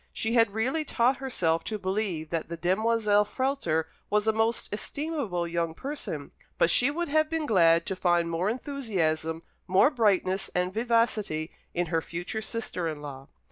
She had really taught herself to believe that the demoiselle Frehlter was a most estimable young person; but she would have been glad to find more enthusiasm, more brightness and vivacity, in her future sister in law.